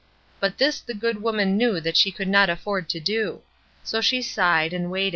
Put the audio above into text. But this the good woman knew that she could not afford to do; so she sighed and waited.